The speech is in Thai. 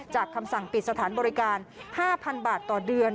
คำสั่งปิดสถานบริการ๕๐๐๐บาทต่อเดือน